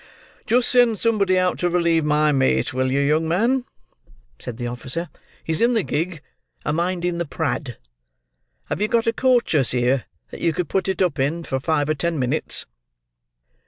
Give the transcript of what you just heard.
"Just send somebody out to relieve my mate, will you, young man?" said the officer; "he's in the gig, a minding the prad. Have you got a coach 'us here, that you could put it up in, for five or ten minutes?"